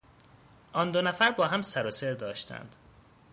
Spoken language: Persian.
آن دو نفر با هم سر و سر داشتند.